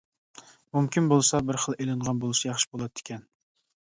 مۇمكىن بولسا بىر خىل ئېلىنغان بولسا ياخشى بولاتتىكەن.